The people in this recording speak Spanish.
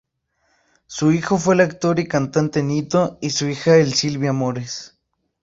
Su hijo fue el actor y cantante Nito y su hija es Silvia Mores.